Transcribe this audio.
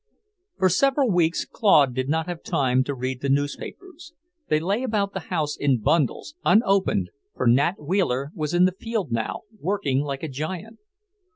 For several weeks Claude did not have time to read the newspapers; they lay about the house in bundles, unopened, for Nat Wheeler was in the field now, working like a giant.